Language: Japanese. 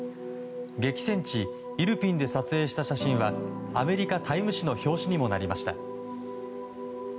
激戦地イルピンで撮影した写真はアメリカ「タイム」誌の表紙にもなりました。